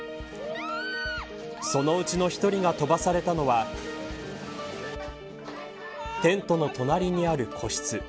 そのうちの１人が飛ばされたのはテントの隣にある個室。